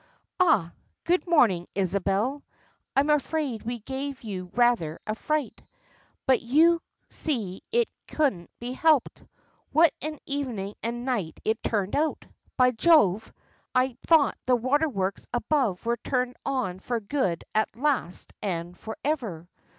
"Ah! good morning, Isabel. I am afraid we gave you rather a fright; but you see it couldn't be helped. What an evening and night it turned out! By Jove! I thought the water works above were turned on for good at last and for ever.